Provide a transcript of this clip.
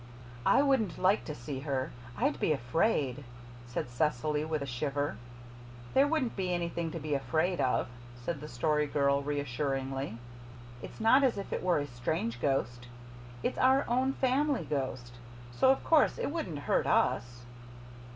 "I wouldn't like to see her. I'd be afraid," said Cecily with a shiver. "There wouldn't be anything to be afraid of," said the Story Girl reassuringly. "It's not as if it were a strange ghost. It's our own family ghost, so of course it wouldn't hurt us."